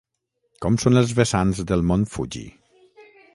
Com són els vessants del mont Fuji?